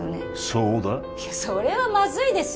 そうだいやそれはまずいですよ！